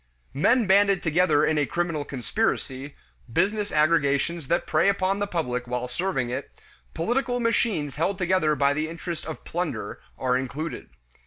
Men banded together in a criminal conspiracy, business aggregations that prey upon the public while serving it, political machines held together by the interest of plunder, are included.